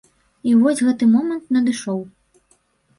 І вось гэты момант надышоў.